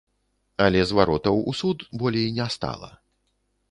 Але зваротаў у суд болей не стала.